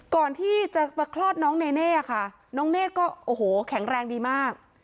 ก่อนที่จะมาคลอดน้องเนเน่ค่ะน้องเนธก็โอ้โหแข็งแรงดีมาก